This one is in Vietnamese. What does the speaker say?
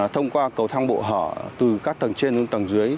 thông qua cầu thang bộ hở từ các tầng trên xuống tầng dưới